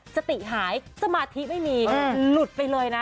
สติหายสมาธิไม่มีหลุดไปเลยนะ